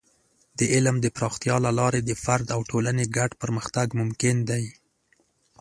د علم د پراختیا له لارې د فرد او ټولنې ګډ پرمختګ ممکن دی.